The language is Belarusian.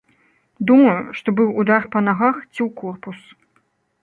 Думаю, што быў удар па нагах ці ў корпус.